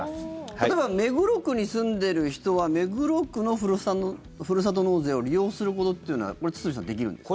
例えば目黒区に住んでいる人は目黒区のふるさと納税を利用することっていうのは堤さん、できるんですか？